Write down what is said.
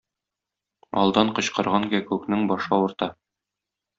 Алдан кычкырган кәккүкнең башы авырта.